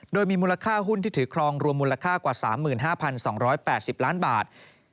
โดยมีมูลค่าหุ้นที่ถือครองรวมมูลค่ากว่า๓๕๒๘๐ล้านบาท